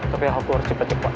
tapi aku harus cepet cepet